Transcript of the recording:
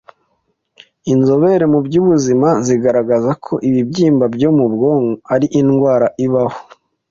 Inzobere mu by’ubuzima zigaragaza ko ibibyimba byo mu bwonko ari indwara ibaho